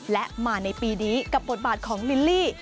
และมาในปีนี้กับบทบาทของลิลลี่